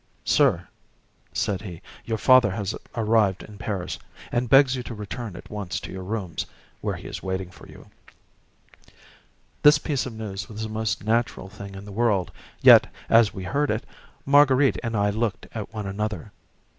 "Sir," said he, "your father has arrived in Paris, and begs you to return at once to your rooms, where he is waiting for you." This piece of news was the most natural thing in the world, yet, as we heard it, Marguerite and I looked at one another.